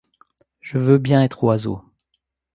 Je veux bien être oiseau.